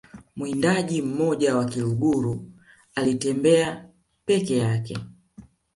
mwindaji mmoja wa kiluguru alitembea peke yake